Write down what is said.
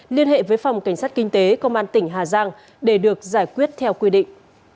liên hệ với phòng cảnh sát kinh tế công an tỉnh hà giang để được giải quyết theo quy định